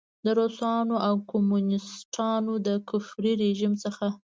د روسانو او کمونیسټانو د کفري رژیم څخه.